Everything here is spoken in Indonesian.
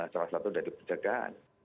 salah satu dari perjagaan